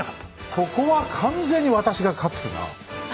そこは完全に私が勝ってるな。